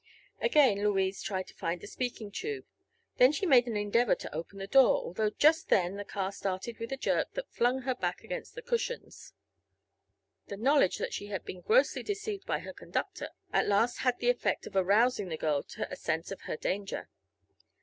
Again Louise tried to find the speaking tube. Then she made an endeavor to open the door, although just then the car started with a jerk that flung her back against the cushions. The knowledge that she had been grossly deceived by her conductor at last had the effect of arousing the girl to a sense of her danger.